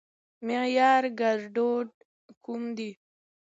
معياري ګړدود کوم دي؟